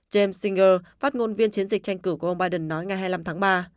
james sngger phát ngôn viên chiến dịch tranh cử của ông biden nói ngày hai mươi năm tháng ba